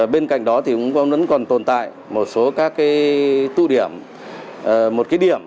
bên cạnh đó thì vẫn còn tồn tại một số các tụ điểm một cái điểm